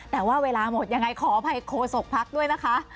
แต่ว่าเวลาหมดยังไงขออภัยโคศกภักดิ์ด้วยนะคะ